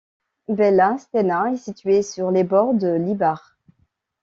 Bela Stena est située sur les bords de l'Ibar.